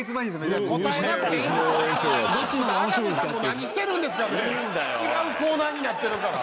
違うコーナーになってるから。